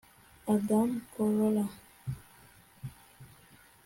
adam carolla